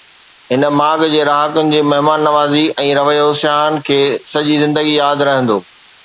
هن ماڳ جي رهاڪن جي مهمان نوازي ۽ رويو سياحن کي سڄي زندگي ياد رهندو.